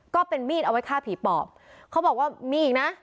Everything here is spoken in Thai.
ก็เป็นมีดเอาไว้ฆ่าผีปอบเขาบอกว่ามีอีกนะ